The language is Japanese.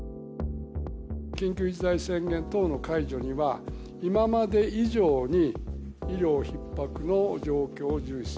緊急事態宣言等の解除には、今まで以上に医療ひっ迫の状況を重視。